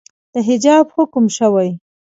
د حجاب حکم شوئ